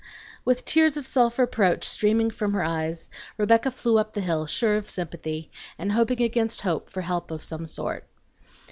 With tears of self reproach streaming from her eyes, Rebecca flew up the hill, sure of sympathy, and hoping against hope for help of some sort.